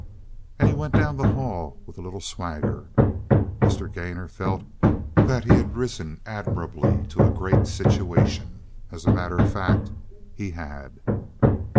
And he went down the hall with a little swagger. Mr. Gainor felt that he had risen admirably to a great situation. As a matter of fact, he had.